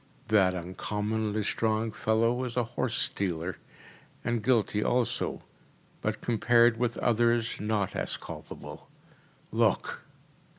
That uncommonly strong fellow is a horse stealer, and guilty also, but compared with others not as culpable. Look!